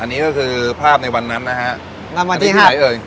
อันนี้ก็คือภาพในวันนั้นนะฮะในวันที่หายเอ่ย